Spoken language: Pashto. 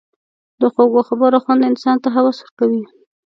د خوږو خبرو خوند انسان ته هوس ورکوي.